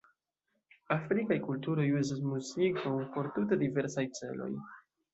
Afrikaj kulturoj uzas muzikon por tute diversaj celoj.